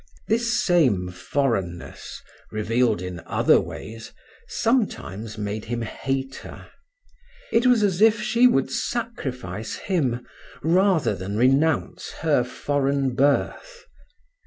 This same foreignness, revealed in other ways, sometimes made him hate her. It was as if she would sacrifice him rather than renounce her foreign birth.